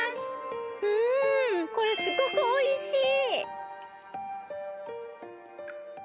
うんこれすごくおいしい！